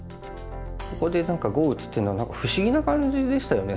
ここで碁を打つっていうのは何か不思議な感じでしたよね